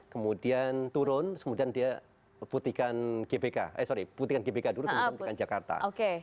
kemudian turun kemudian dia putihkan gbk eh sorry putihkan gbk dulu kemudian putihkan jakarta